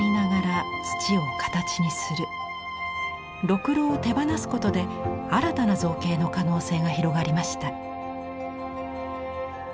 ろくろを手放すことで新たな造形の可能性が広がりました。